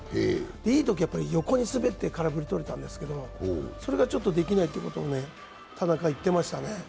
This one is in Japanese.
いいときは横に滑って空振りをとれたんですけど、それができないってことを田中、言ってましたね。